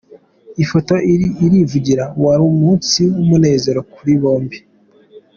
Ifoto irivugira, wari umunsi w'umunezero kuri bombi.